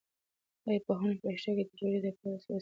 ایا پوهنه په رښتیا د جګړې د پای ته رسولو وسیله کېدای شي؟